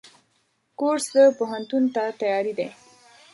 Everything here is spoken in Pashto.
کورس د پوهنتون ته تیاری دی.